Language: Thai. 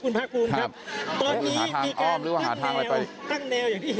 คุณภูริพัฒน์บุญนิน